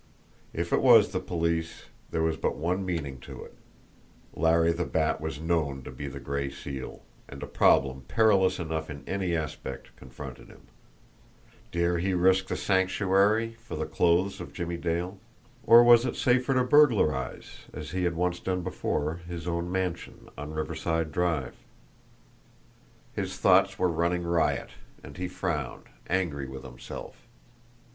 If it was the police, there was but one meaning to it Larry the Bat was known to be the Gray Seal, and a problem perilous enough in any aspect confronted him. Dare he risk the Sanctuary for the clothes of Jimmie Dale? Or was it safer to burglarise, as he had once done before, his own mansion on Riverside Drive? His thoughts were running riot, and he frowned, angry with himself.